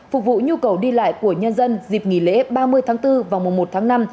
phục vụ nhu cầu đi lại của nhân dân dịp nghỉ lễ ba mươi tháng bốn và mùa một tháng năm